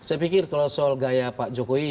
saya pikir kalau soal gaya pak jokowi